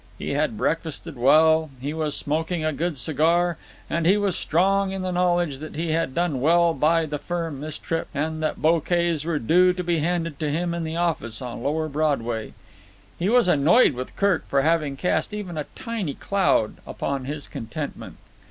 He had breakfasted well; he was smoking a good cigar; and he was strong in the knowledge that he had done well by the firm this trip and that bouquets were due to be handed to him in the office on lower Broadway. He was annoyed with Kirk for having cast even a tiny cloud upon his contentment.